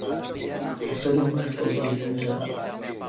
O sedm let později zemřel.